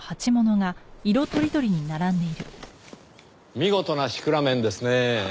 見事なシクラメンですねぇ。